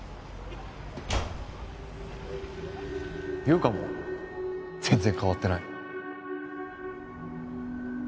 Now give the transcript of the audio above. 優香も全然変わってない。